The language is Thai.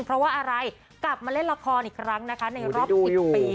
เพราะว่าอะไรกลับมาเล่นละครอีกครั้งนะคะในรอบ๑๐ปี